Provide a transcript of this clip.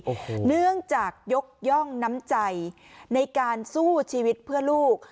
โอ้โหเนื่องจากยกย่องน้ำใจในการสู้ชีวิตเพื่อลูก